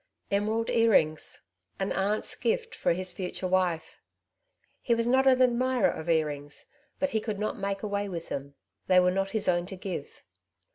Emerald earrings; an aunt's gift for his future wife. He was not an admirer of earrings, but he could not make away with them, they were not his own to give.